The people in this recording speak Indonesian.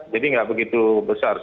jadi tidak begitu besar